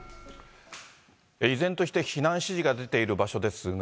依然として避難指示が出ている場所ですが。